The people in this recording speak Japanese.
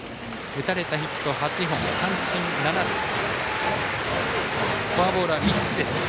打たれたヒット８本三振７つフォアボールは３つです。